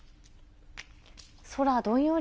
空、どんより。